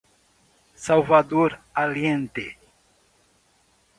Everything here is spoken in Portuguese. Salvador Allende